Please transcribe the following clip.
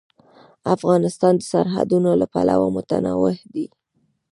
افغانستان د سرحدونه له پلوه متنوع دی.